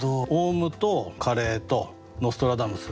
鸚鵡とカレーとノストラダムス。